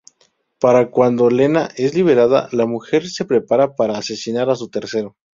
Para cuando Lena es liberada, la mujer se prepara para asesinar a su tercero.